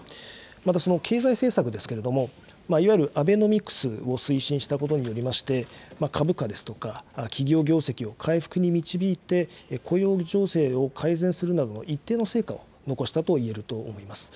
またその経済政策ですけれども、いわゆるアベノミクスを推進したことによりまして、株価ですとか、企業業績を回復に導いて、雇用情勢を改善するなどの一定の成果を残したといえると思います。